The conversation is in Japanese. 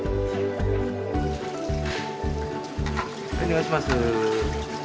はいお願いします。